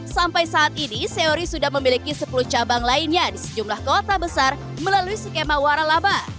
sampai saat ini seori sudah memiliki sepuluh cabang lainnya di sejumlah kota besar melalui skema waralaba